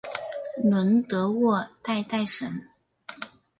伦德沃代代什。